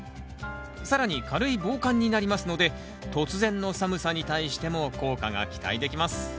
更に軽い防寒になりますので突然の寒さに対しても効果が期待できます